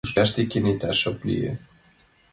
Тӱшкаште кенета шып лие.